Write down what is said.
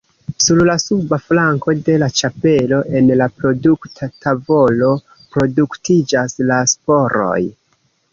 Sur la suba flanko de la ĉapelo, en la produkta tavolo, produktiĝas la sporoj.